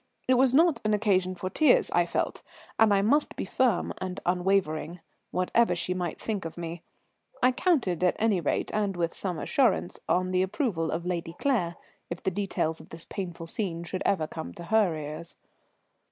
It was not an occasion for tears, I felt; and I must be firm and unwavering, whatever she might think of me. I counted, at any rate, and with some assurance, on the approval of Lady Claire if the details of this painful scene should ever come to her ears.